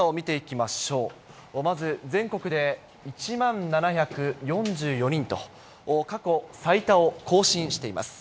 まず、全国で１万７４４人と、過去最多を更新しています。